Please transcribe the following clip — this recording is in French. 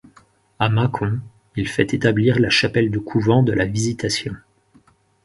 À Mâcon, il fait établir la chapelle du couvent de la Visitation.